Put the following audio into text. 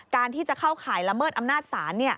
การที่จะเข้าข่ายละเมิดอำนาจศาล